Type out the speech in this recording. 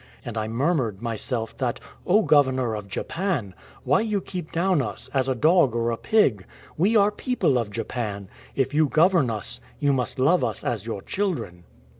And I murmured myself that, O governor of Japan ! why you keep down us, as a dog or a pig ? We are people of Japan ; if you govern us, you must love us as your children."